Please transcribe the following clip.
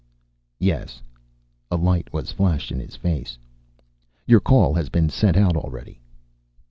"Yes." A light was flashed in his face. "Your call has been sent out already."